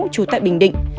chú tại bình định